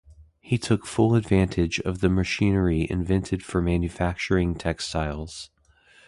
He took full advantage of the machinery invented for manufacturing textiles.